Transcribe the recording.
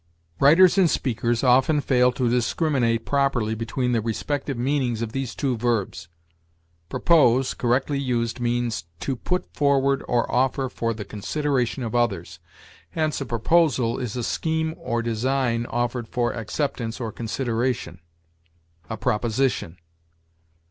Writers and speakers often fail to discriminate properly between the respective meanings of these two verbs. Propose, correctly used, means, to put forward or to offer for the consideration of others; hence, a proposal is a scheme or design offered for acceptance or consideration, a proposition.